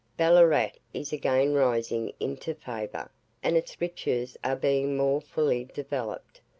Ballarat is again rising into favour, and its riches are being more fully developed.